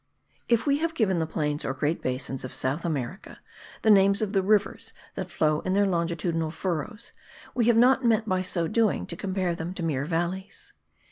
If we have given the plains or great basins of South America the names of the rivers that flow in their longitudinal furrows, we have not meant by so doing to compare them to mere valleys.